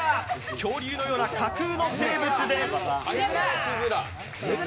恐竜のような架空の生物です。